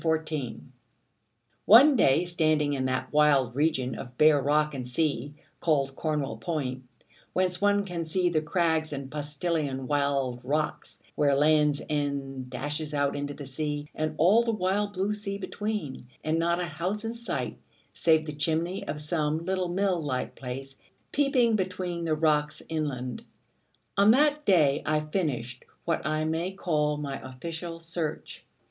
One day, standing in that wild region of bare rock and sea, called Cornwall Point, whence one can see the crags and postillion wild rocks where Land's End dashes out into the sea, and all the wild blue sea between, and not a house in sight, save the chimney of some little mill like place peeping between the rocks inland on that day I finished what I may call my official search.